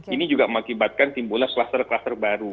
ini juga mengakibatkan timbullah kluster kluster baru